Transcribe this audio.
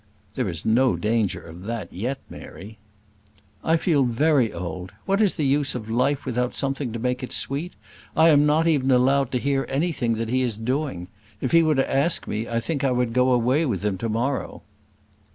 "There is no danger of that yet, Mary." "I feel very old. What is the use of life without something to make it sweet? I am not even allowed to hear anything that he is doing. If he were to ask me, I think I would go away with him to morrow."